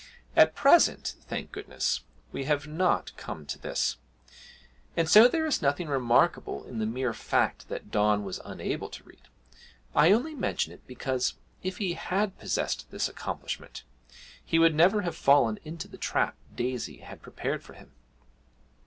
At present, thank goodness, we have not come to this, and so there is nothing remarkable in the mere fact that Don was unable to read. I only mention it because, if he had possessed this accomplishment, he would never have fallen into the trap Daisy had prepared for him.